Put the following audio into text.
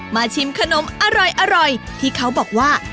ชิมขนมอร่อยที่เขาบอกว่า